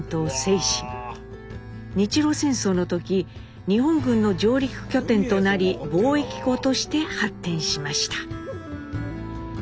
日露戦争の時日本軍の上陸拠点となり貿易港として発展しました。